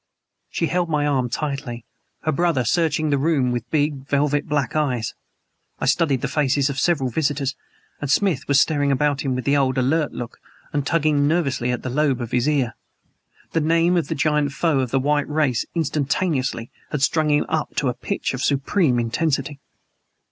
She held my arm tightly. Her brother was searching the room with big, velvet black eyes. I studied the faces of the several visitors; and Smith was staring about him with the old alert look, and tugging nervously at the lobe of his ear. The name of the giant foe of the white race instantaneously had strung him up to a pitch of supreme intensity.